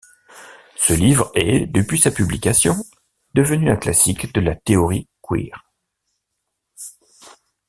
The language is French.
Ce livre est, depuis sa publication, devenu un classique de la théorie queer.